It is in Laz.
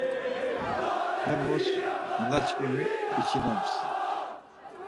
Hemus nanaçkimi içinems.